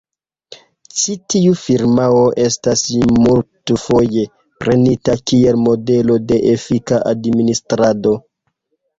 Ĉi tiu firmao estas multfoje prenita kiel modelo de efika administrado.